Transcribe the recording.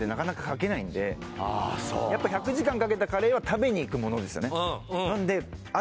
あそうやっぱ１００時間かけたカレーは食べに行くものですよね